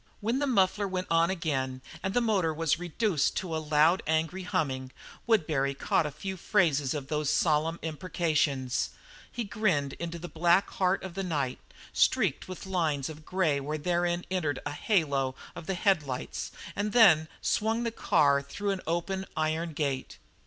When the muffler went on again and the motor was reduced to a loud, angry humming, Woodbury caught a few phrases of those solemn imprecations. He grinned into the black heart of the night, streaked with lines of grey where therein entered the halo of the headlights, and then swung the car through an open, iron gate.